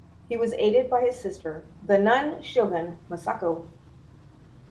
He was aided by his sister, the "nun-shogun" Masako.